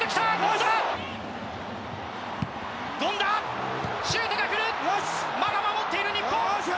まだ守っている日本！